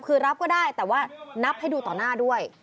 คือรับก็ได้แต่ว่านับให้ดูต่อหน้าด้วย